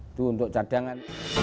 itu untuk cadangan